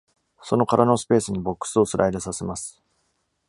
その空のスペースにボックスをスライドさせます。